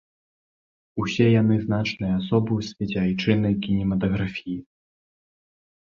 Усе яны значныя асобы ў свеце айчыннай кінематаграфіі.